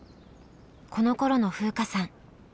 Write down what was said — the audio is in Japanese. このころの風花さん